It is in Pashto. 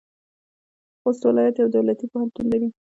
خوست ولایت یو دولتي پوهنتون لري.